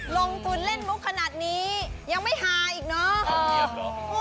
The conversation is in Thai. ลงทุนเล่นมุกขนาดนี้ยังไม่ฮาอีกเนอะ